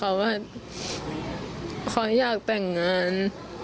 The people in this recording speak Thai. เอาให้อยากแต่งงาน